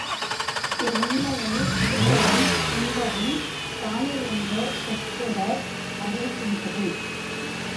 இவ்வுண்மையை, உடுப்பதுவும் உண்பதுவும் காணில் என்ற சொற்றொடர் அறிவிக்கின்றது.